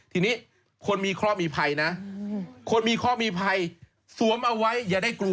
ทีนี้คนมีข้อมีภัยนะคนมีข้อมีภัยสวมเอาไว้อย่าได้กลัว